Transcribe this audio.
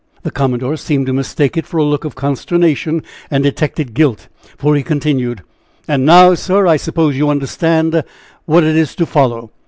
The commodore seemed to mistake it for a look of consternation and detected guilt, for he continued: "And now, sir, I suppose you understand what is to follow.